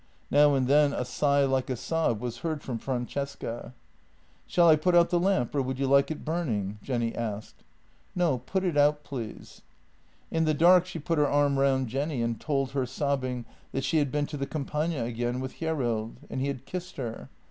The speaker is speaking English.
Now and then a sigh like a sob was heard from Francesca. " Shall I put out the lamp, or would you like it burning? " Jenny asked. " No, put it out, please." In the dark she put her arm round Jenny and told her, sob bing, that she had been to the Campagna again with Hjerrild, and he had kissed her.